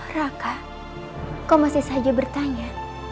raka kau masih saja bertanya